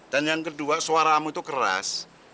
dan yang kedua suaramu tuh keras